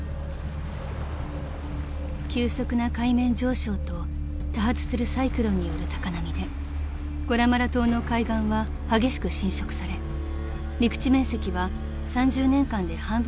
［急速な海面上昇と多発するサイクロンによる高波でゴラマラ島の海岸は激しく浸食され陸地面積は］